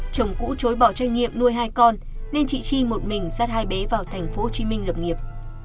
chồng cũ chối bỏ trách nhiệm nuôi hai con nên chị tri một mình dắt hai bé vào tp hcm lập nghiệp